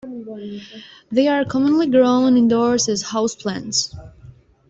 They are commonly grown indoors as houseplants.